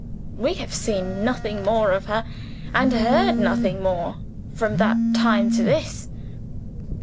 We have seen nothing more of her, and heard nothing more, from that time to this."